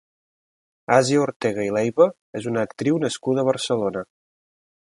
Asia Ortega i Leiva és una actriu nascuda a Barcelona.